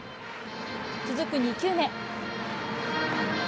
続く２球目。